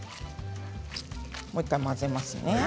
もう１回、混ぜますね。